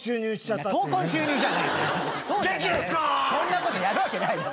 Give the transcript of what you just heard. そんなことやるわけない。